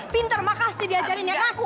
pinter mah pasti diajarin ya ngaku